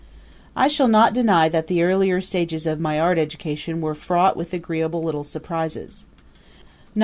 I shall not deny that the earlier stages of my art education were fraught with agreeable little surprises.